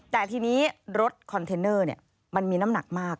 แต่ทีนี้รถคอนเทนเนอร์มันมีน้ำหนักมาก